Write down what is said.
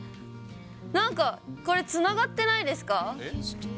なんか、これ、つながってないですか？